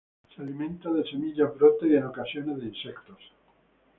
Se alimenta de semillas, brotes y en ocasiones de insectos.